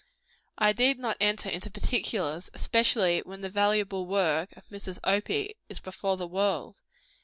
I need not enter into particulars, especially when the invaluable work of Mrs. Opie is before the world.